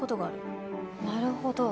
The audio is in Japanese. なるほど。